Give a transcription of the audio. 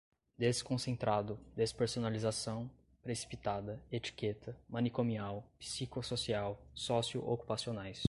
desconcentrado, despersonalização, precipitada, etiqueta, manicomial, psicossocial, sócio-ocupacionais